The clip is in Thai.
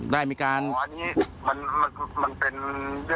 ได้มีการอ๋ออันนี้มันมันมันเป็นเรื่องส่วนตัวที่ไม่โอเคกันเลยครับครับ